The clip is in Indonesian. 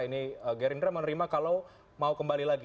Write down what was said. ini gerindra menerima kalau mau kembali lagi